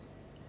hai bukan kan